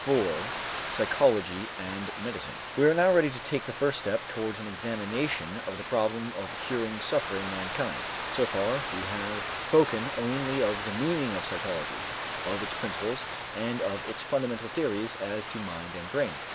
IV PSYCHOLOGY AND MEDICINE We are now ready to take the first step towards an examination of the problem of curing suffering mankind. So far we have spoken only of the meaning of psychology, of its principles and of its fundamental theories as to mind and brain.